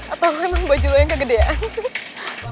atau emang baju lo yang kegedean sih